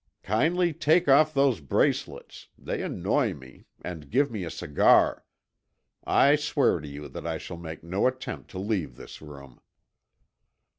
Kindly take off those bracelets, they annoy me, and give me a cigar. I swear to you that I shall make no attempt to leave this room."